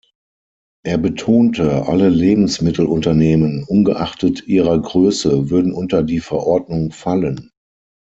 Er betonte, alle Lebensmittelunternehmen, ungeachtet ihrer Größe, würden unter die Verordnung fallen.